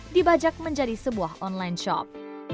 dibajak menjadi sebuah online shop